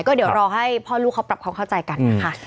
ก็เดี๋ยวรอให้พ่อลูกเขาปรับความเข้าใจกันนะคะ